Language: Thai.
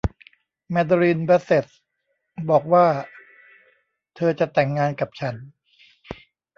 แมเดอรีน บาสเซทบอกกว่าเธอจะแต่งงานกับฉัน